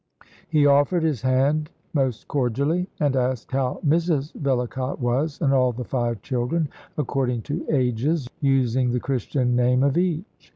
He offered his hand most cordially, and asked how Mrs Vellacott was, and all the five children, according to ages, using the Christian name of each.